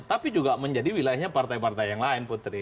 tapi juga menjadi wilayahnya partai partai yang lain putri